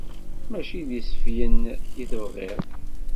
Mačči d iseflen i tebɣiḍ.